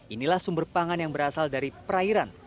inilah sumber pangan yang berasal dari perairan